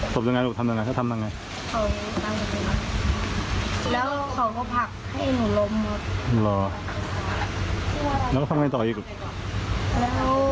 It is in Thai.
ตบยังไงลูกทำยังไงเขาทำทำยังไงแล้วเขาก็พักให้